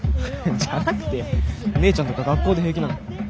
じゃなくて姉ちゃんとか学校で平気なの？